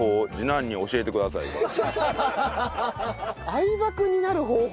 相葉君になる方法？